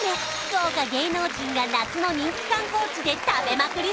豪華芸能人が夏の人気観光地で食べまくり